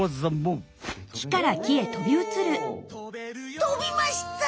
とびました！